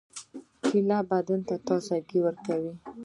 کېله بدن ته تازګي ورکوي.